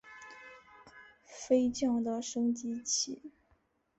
飞将的升级棋。